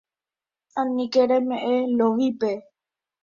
Aníke reme'ẽ Lovípe.